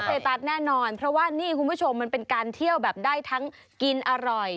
เตตัสแน่นอนเพราะว่านี่คุณผู้ชมมันเป็นการเที่ยวแบบได้ทั้งกินอร่อย